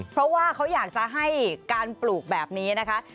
เพราะว่าเขาอยากจะให้การปลูกแบบนี้นะคะ